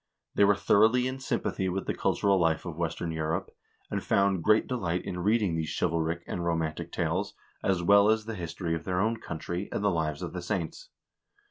They were thoroughly in sympathy with the cultural life of western Europe, and found great delight in reading these chivalric and romantic tales, as well as the history of their own country, and the lives of the saints.